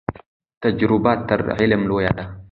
تجربه تر علم لویه ده.